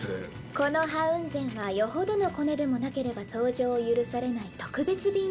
このハウンゼンはよほどのコネでもなければ搭乗を許されない特別便よ。